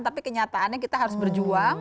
tapi kenyataannya kita harus berjuang